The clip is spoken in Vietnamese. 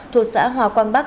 thuộc xã hòa quang bắc